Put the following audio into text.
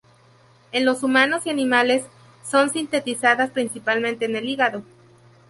En los humanos y animales, son sintetizadas principalmente en el hígado.